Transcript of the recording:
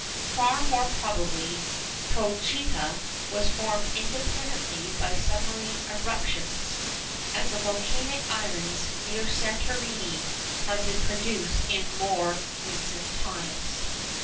Far more probably, Prochyta was formed independently by submarine eruptions, as the volcanic islands near Santorin have been produced in more recent times.